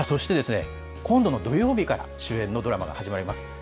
そして、今度の土曜日から、主演のドラマが始まります。